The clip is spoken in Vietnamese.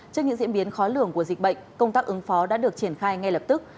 trước những diễn biến khó lường của dịch bệnh công tác ứng phó đã được triển khai ngay lập tức